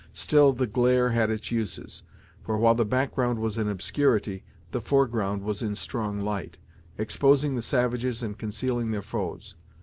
Still the glare had its uses; for, while the background was in obscurity, the foreground was in strong light; exposing the savages and concealing their foes.